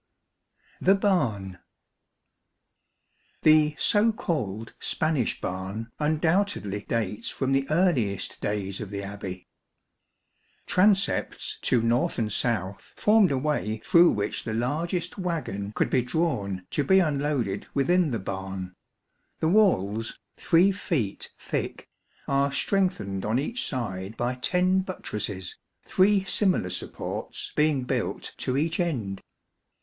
The Barn. The so called Spanish Barn undoubtedly dates from the earliest, days of the Abbey. Transepts to north and south formed a way through which the largest waggon could be drawn to be unloaded within the barn. The walls, 3 feet thick, are strengthened on each side by ten buttresses, three similar supports being built to each end.